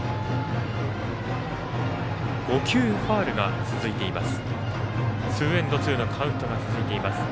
５球ファウルが続いています。